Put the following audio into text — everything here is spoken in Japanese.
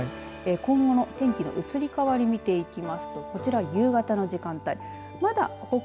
今後の天気の移り変わり見ていきますとこちら夕方の時間帯。